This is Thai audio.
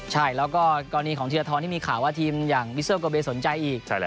ใช่แล้วก็กรณีของธีรทรที่มีข่าวว่าทีมอย่างวิเซอร์โกเบสนใจอีก